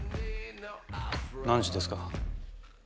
何時ですか？